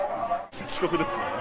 遅刻ですね。